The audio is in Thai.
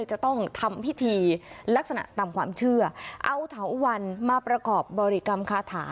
จะต้องทำพิธีลักษณะตามความเชื่อเอาเถาวันมาประกอบบริกรรมคาถา